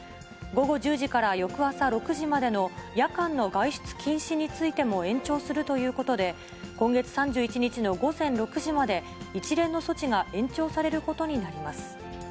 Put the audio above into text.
午後１０時から翌朝６時までの夜間の外出禁止についても延長するということで、今月３１日の午前６時まで、一連の措置が延長されることになります。